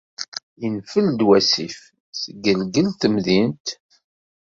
Yenfel-d wasif, teggelgel temdint.